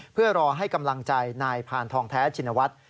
เพื่อรอให้กำลังใจนายพานทองแท้ชินวัฒน์